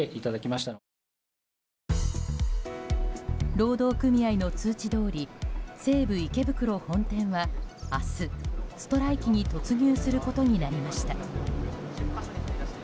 労働組合の通知どおり西武池袋本店は明日、ストライキに突入することになりました。